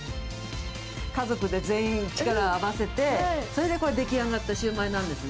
家族で全員力を合わせて、それで出来上がったシューマイなんですね。